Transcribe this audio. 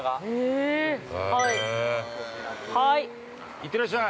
◆行ってらっしゃい。